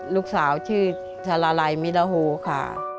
ลูกสาวชื่อชาลาลัยมิลาโฮค่ะ